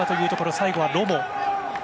最後はロモ。